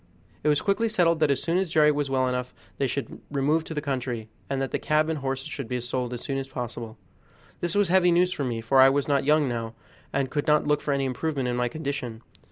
It was quickly settled that as soon as Jerry was well enough they should remove to the country, and that the cab and horses should be sold as soon as possible. This was heavy news for me, for I was not young now, and could not look for any improvement in my condition.